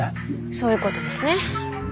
そういうことですね。